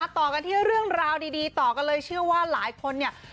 ต่อกันที่เรื่องราวดีต่อกันเลยเชื่อว่าหลายคนเนี่ย